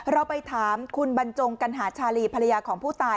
เราไปถามคุณบรรจงกัณหาชาลีภรรยาของผู้ตาย